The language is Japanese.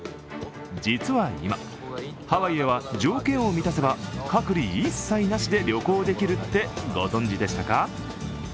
実は今、ハワイへは条件を満たせば隔離一切なしで旅行できるってご存じでしたか？